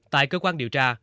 tại cơ quan điều tra